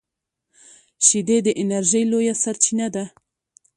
شیدې د انرژۍ لویه سرچینه ده